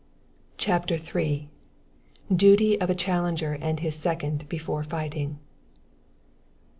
CHAPTER III. Duty of Challenger and His Second Before Fighting.